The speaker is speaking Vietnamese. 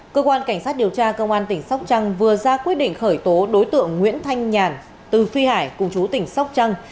cơ quan cảnh sát điều tra công an tỉnh sóc trăng vừa ra quyết định khởi tố đối tượng nguyễn thanh nhàn từ phi hải cùng chú tỉnh sóc trăng